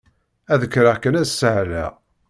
Ad kkreɣ kan ad sahleɣ.